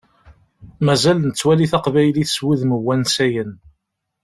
Mazal nettwali taqbaylit s wudem n wansayen.